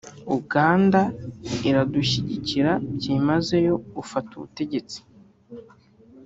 Uganda iradushyigikira byimazeyo ufata ubutegetsi